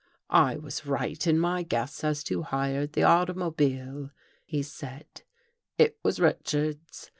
'' I was right in my guess as to who hired the automobile," he said. " It was Richards.